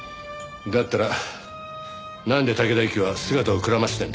だったらなんで竹田ユキは姿をくらましてんだ？